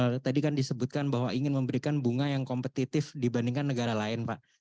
jadi tadi kan disebutkan bahwa ingin memberikan bunga yang kompetitif dibandingkan negara lain pak